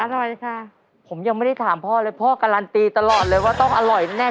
อร่อยค่ะผมยังไม่ได้ถามพ่อเลยพ่อการันตีตลอดเลยว่าต้องอร่อยแน่แน่